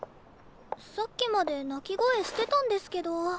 さっきまで鳴き声してたんですけど。